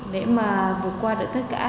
để mà vượt qua được tất cả